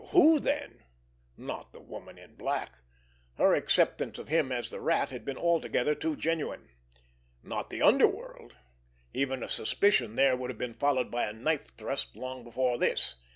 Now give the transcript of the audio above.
Who, then? Not the Woman in Black—her acceptance of him as the Rat had been altogether too genuine! Not the underworld—even a suspicion there would have been followed by a knife thrust long before this.